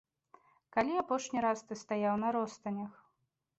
Калі апошні раз ты стаяў на ростанях?